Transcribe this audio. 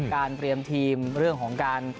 เตรียมทีมเรื่องของการ